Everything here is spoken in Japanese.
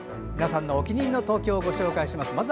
皆さんのお気に入りの東京をご紹介します。